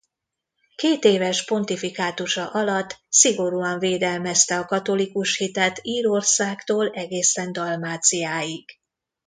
Kétéves pontifikátusa alatt szigorúan védelmezte a katolikus hitet Írországtól egészen Dalmáciáig.